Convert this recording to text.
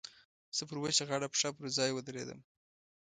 زه پر وچه غاړه پښه پر ځای ودرېدم.